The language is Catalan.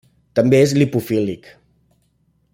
També és lipofílic.